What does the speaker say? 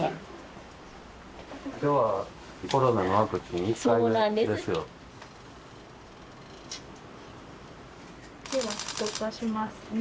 きょうはコロナのワクチン１回目ですよね。